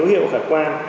dấu hiệu khả quan